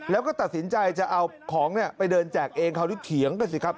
แล้วก็ตัดสินใจจะเอาของไปเดินแจกเองคราวนี้เถียงกันสิครับ